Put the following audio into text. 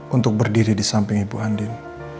untuk berdiri di samping ibu andin